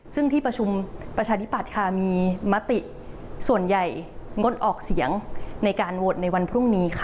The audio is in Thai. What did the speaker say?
ซึ่งที่ประชุมประชาธิปัตย์ค่ะมีมติส่วนใหญ่งดออกเสียงในการโหวตในวันพรุ่งนี้ค่ะ